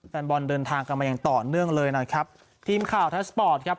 แฟนบอลเดินทางกันมาอย่างต่อเนื่องเลยนะครับทีมข่าวไทยสปอร์ตครับ